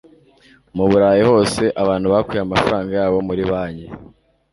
mu burayi hose, abantu bakuye amafaranga yabo muri banki